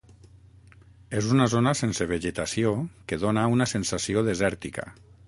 És una zona sense vegetació que dóna una sensació desèrtica.